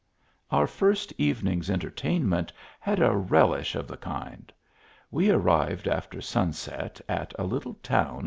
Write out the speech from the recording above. Our first evening s entertainment had a relish of the kind. We arrived after sunset at a little town 16 THE ALHAMBRA.